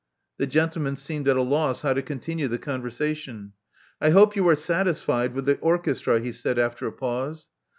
The gentleman seemed at a loss how to continue the conversation. I hope you are satisfied with the orchestra," he said after a pause.